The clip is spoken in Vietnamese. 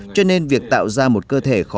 cho nên việc tạo ra một cơ thể khó